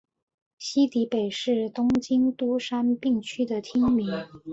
西荻北是东京都杉并区的町名。